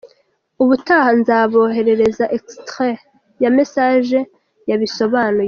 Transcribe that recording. ubutaha nzabaoherereza extrait ya message yabisobanuyemo.